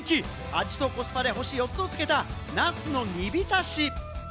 味とコスパで星４つをつけた茄子の煮浸し。